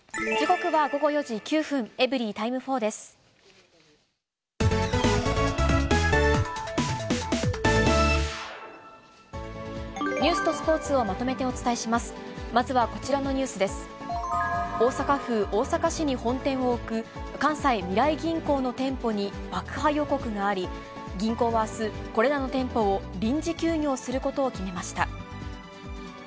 大阪府大阪市に本店を置く、関西みらい銀行の店舗に爆破予告があり、銀行はあす、これらの店舗を臨時休業することを決めました。